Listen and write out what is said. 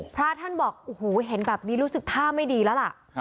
พระท่านบอกโอ้โหเห็นแบบนี้รู้สึกท่าไม่ดีแล้วล่ะ